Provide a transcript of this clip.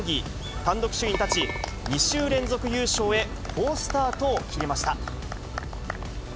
単独首位に立ち、２週連続優勝へ、好スタートを切りました。